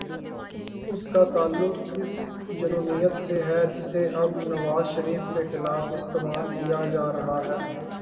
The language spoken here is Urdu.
اس کا تعلق اس جنونیت سے ہے، جسے اب نواز شریف کے خلاف استعمال کیا جا رہا ہے۔